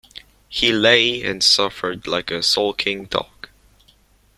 He lay and suffered like a sulking dog.